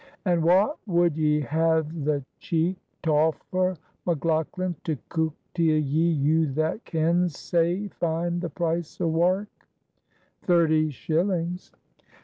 "An' whaat would ye ha'e the cheek t'offer a McLanghlan to cuik till ye, you that kens sae fine the price o' wark?" "Thirty shillings."